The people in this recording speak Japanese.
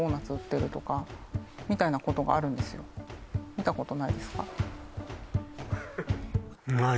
見たことないですか？